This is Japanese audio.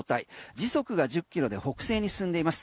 時速が１０キロで北西に進んでいます。